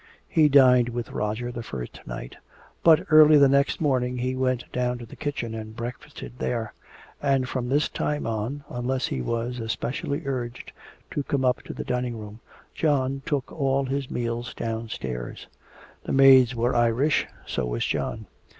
He dined with Roger the first night, but early the next morning he went down to the kitchen and breakfasted there; and from this time on, unless he were especially urged to come up to the dining room, John took all his meals downstairs. The maids were Irish so was John.